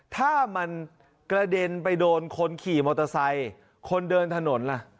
ถ้ามันกระเด็นไปโดนคนขี่มอเตอร์ไซค์คนเดินถนนล่ะ